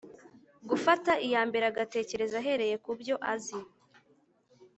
gufata iya mbere agatekereza ahereye ku byo azi,